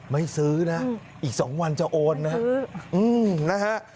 ไม่ซื้อนะอีก๒วันจะโอนนะฮะ